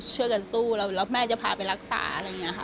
ช่วยกันสู้แล้วแม่จะพาไปรักษาอะไรอย่างนี้ค่ะ